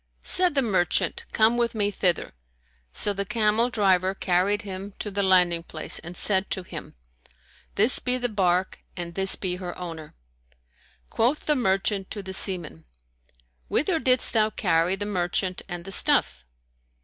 Said the merchant, "Come with me thither;" so the camel driver carried him to the landing place and said to him, "This be the barque and this be her owner." Quoth the merchant to the seaman, "Whither didst thou carry the merchant and the stuff?"